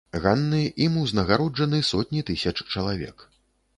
Ганны ім узнагароджаны сотні тысяч чалавек.